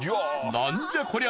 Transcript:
ナンじゃこりゃ！？